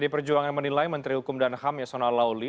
pdi perjuangan menilai menteri hukum dan ham yasona lauli